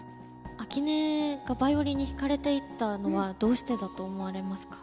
秋音がヴァイオリンに惹かれていったのはどうしてだと思われますか？